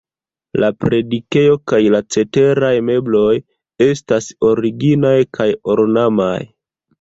La predikejo kaj la ceteraj mebloj estas originaj kaj ornamaj.